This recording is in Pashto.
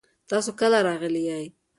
تاسو کله راغلي یئ؟